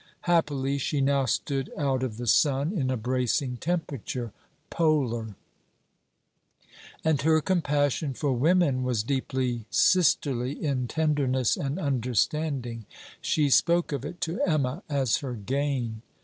Happily she now stood out of the sun, in a bracing temperature, Polar; and her compassion for women was deeply sisterly in tenderness and understanding. She spoke of it to Emma as her gain.